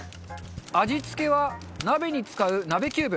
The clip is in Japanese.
味付けは、鍋に使う鍋キューブ。